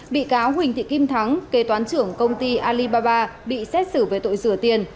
bị cáo huỳnh thị kim thắng kế toán trưởng công ty alibaba bị xét xử về tội rửa tiền